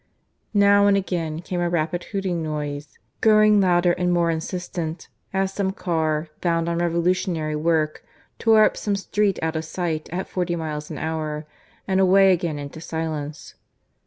Now and again came a rapid hooting note, growing louder and more insistent, as some car, bound on revolutionary work, tore up some street out of sight at forty miles an hour and away again into silence.